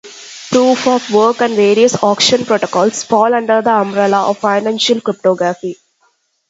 Proof of work and various auction protocols fall under the umbrella of Financial Cryptography.